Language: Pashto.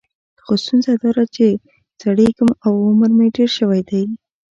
خو ستونزه دا ده چې زړیږم او عمر مې ډېر شوی دی.